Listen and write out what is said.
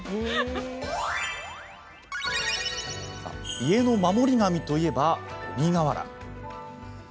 家の守り神といえば、鬼瓦。